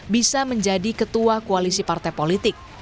bisa menjadi ketua koalisi partai politik